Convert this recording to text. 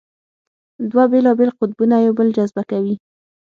دوه بېلابېل قطبونه یو بل جذبه کوي.